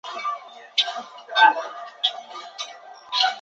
书包通常由使用者背于肩上行走。